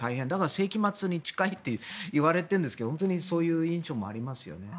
世紀末に近いといわれているんですが本当にそういう印象もありますよね。